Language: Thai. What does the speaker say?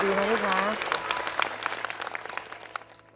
เด็กขอบคุณนะพ่อ